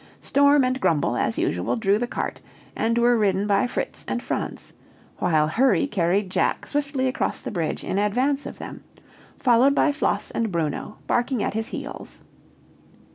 Storm and Grumble, as usual, drew the cart, and were ridden by Fritz and Franz; while Hurry carried Jack swiftly across the bridge in advance of them; followed by Floss and Bruno, barking at his heels.